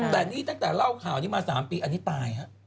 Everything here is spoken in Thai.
แต่นี่ตั้งแต่เล่าข่าวนี้มา๓ปีอันนี้ตายฮะ